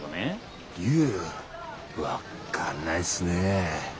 分かんないっすねえ。